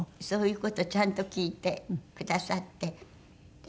そういう事をちゃんと聞いてくださって。